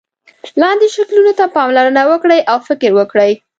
لاندې شکلونو ته پاملرنه وکړئ او فکر وکړئ.